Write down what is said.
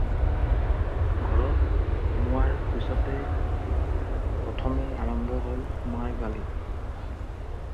ঘৰত সোমোৱাৰ পিছতে প্ৰথমে আৰম্ভ হ'ল মাৰ গালি।